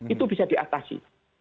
itu bisa diatasi